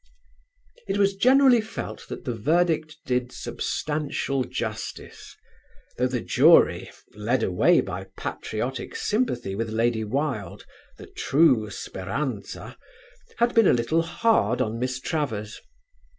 It was generally felt that the verdict did substantial justice; though the jury, led away by patriotic sympathy with Lady Wilde, the true "Speranza," had been a little hard on Miss Travers.